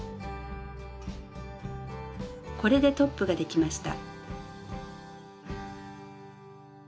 これでトップができました。